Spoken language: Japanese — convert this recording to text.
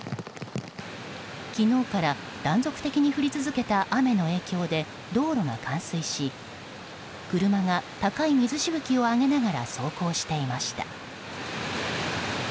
昨日から断続的に降り続けた雨の影響で道路が冠水し車が高い水しぶきを上げながら走行していました。